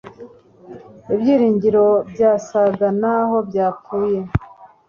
ibyiringiro byasaga naho byapfuye